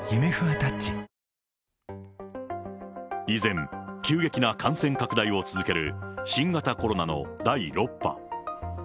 依然、急激な感染拡大を続ける新型コロナの第６波。